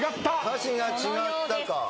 歌詞が違ったか。